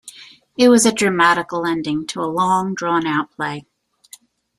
It was a dramatical ending to a long drawn out play.